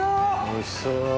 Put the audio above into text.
おいしそう。